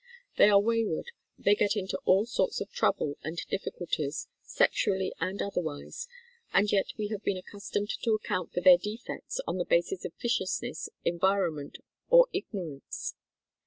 They are wayward, they get into all sorts of trouble and difficulties, sexually and otherwise, and yet we have been accustomed to account for their defects on the basis of viciousness, environment, or ignorance.